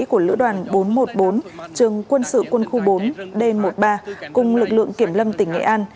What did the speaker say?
của lữ đoàn bốn trăm một mươi bốn trường quân sự quân khu bốn d một mươi ba cùng lực lượng kiểm lâm tỉnh nghệ an